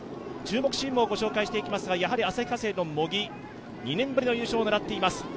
注目チームをご紹介していきますが、旭化成の茂木２年ぶりの優勝を狙っています。